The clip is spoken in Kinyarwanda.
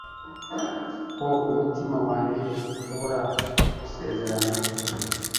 ko umutima wanjye ushobora gusezerana